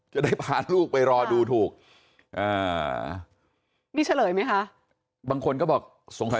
จะได้พาลูกไปรอดูถูกมีเฉลยไหมคะบางคนก็บอกสงสัย